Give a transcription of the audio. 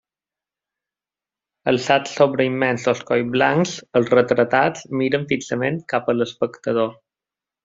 Alçats sobre immensos colls blancs, els retratats miren fixament cap a l'espectador.